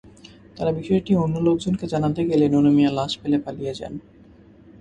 তাঁরা বিষয়টি অন্য লোকজনকে জানাতে গেলে নুনু মিয়া লাশ ফেলে পালিয়ে যান।